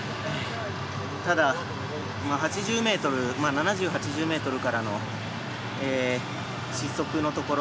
ただ、７０ｍ、８０ｍからの失速のところ。